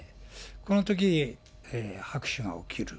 このとき、拍手が起きる。